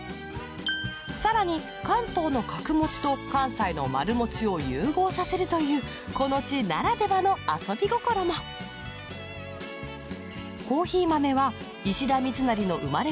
更に関東の角餅と関西の丸餅を融合させるというこの地ならではの遊び心もコーヒー豆は石田三成の生まれ